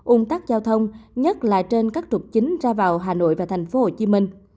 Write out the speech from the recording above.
ung tắc giao thông nhất là trên các trục chính ra vào hà nội và thành phố hồ chí minh